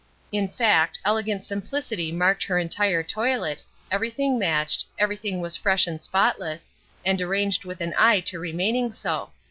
In fact, elegant simplicity marked her entire toilet, everything matched, everything was fresh and spotless, and arranged with an eye to remaining so.